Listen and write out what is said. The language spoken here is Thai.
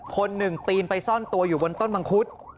คนหนึ่งปีนไปซ่อนตัวอยู่บนต้นมังคุด